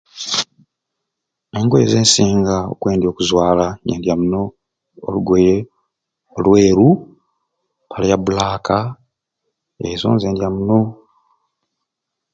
Engweye zensinga okwendya okuzwala nyendya muno olugoye olweeru empale ya bulaka ezo nzendya munoo.